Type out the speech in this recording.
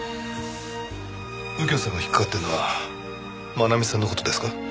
右京さんが引っかかってるのは真奈美さんの事ですか？